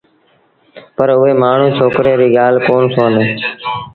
پر اُئي مآڻهوٚٚݩ ڇوڪري ريٚ ڳآل ڪونا سُوآݩدي